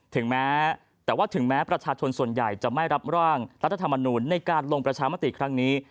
ถึงแม้แต่ว่าถึงแม้ประชาชนส่วนใหญ่จะไม่รับร่างรัฐธรรมนูลในการลงประชามติครั้งนี้